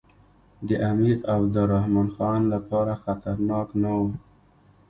د امیر عبدالرحمن خان لپاره خطرناک نه وو.